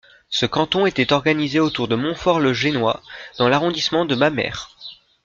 Ce canton était organisé autour de Montfort-le-Gesnois dans l'arrondissement de Mamers.